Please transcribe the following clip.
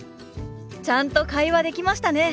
ちゃんと会話できましたね！